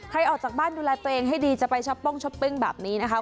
ออกจากบ้านดูแลตัวเองให้ดีจะไปช้อปป้องช้อปปิ้งแบบนี้นะคะ